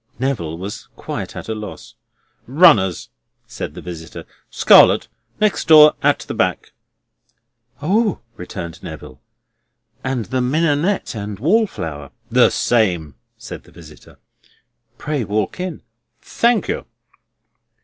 Neville was quite at a loss. "Runners," said the visitor. "Scarlet. Next door at the back." "O," returned Neville. "And the mignonette and wall flower?" "The same," said the visitor. "Pray walk in." "Thank you."